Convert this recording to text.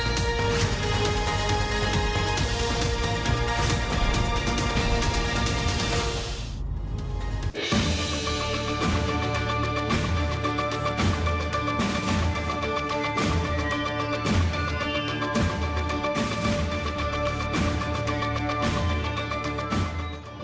น้องหมูป่าทั้ง๘ท่านนะครับ